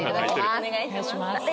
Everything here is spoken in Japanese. お願いします